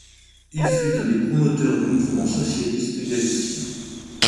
Il fut un des promoteurs du Mouvement socialiste galicien.